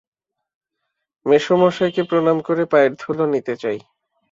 মেসোমশায়কে প্রণাম করে পায়ের ধুলো নিতে চাই ।